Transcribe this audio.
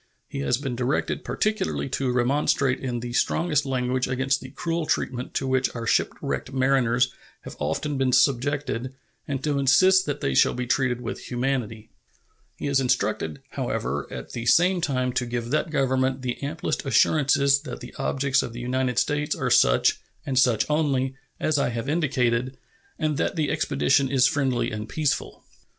He has been directed particularly to remonstrate in the strongest language against the cruel treatment to which our shipwrecked mariners have often been subjected and to insist that they shall be treated with humanity. He is instructed, however, at the same time, to give that Government the amplest assurances that the objects of the United States are such, and such only, as I have indicated, and that the expedition is friendly and peaceful.